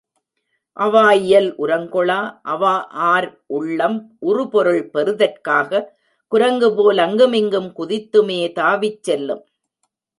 அவா இயல் உரங்கொளா அவாஆர் உள்ளம் உறுபொருள் பெறுதற் காகக் குரங்குபோல் அங்கும் இங்கும் குதித்துமே தாவிச் செல்லும்.